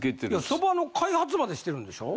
そばの開発までしてるんでしょ？